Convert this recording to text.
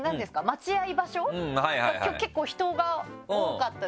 待合場所？が今日結構人が多かったじゃないですか。